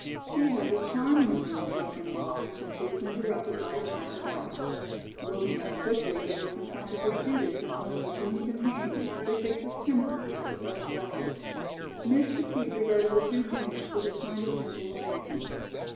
"She has a charming room," broke in Molly, when she was interrupted by a stifled laugh. Looking up quickly, they were confronted with Judith and one of her boon companions, their faces crimson with suppressed laughter. Miss Petit regarded the two juniors with a kind of gentle amazement.